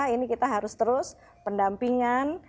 ini kita harus terus pendampingan